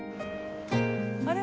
あれ？